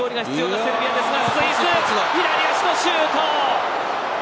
スイス、左足のシュート。